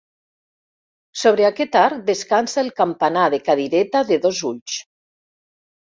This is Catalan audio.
Sobre aquest arc descansa el campanar de cadireta de dos ulls.